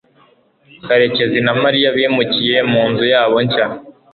karekezi na mariya bimukiye mu nzu yabo nshya